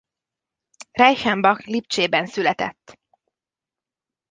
Reichenbach Lipcsében született.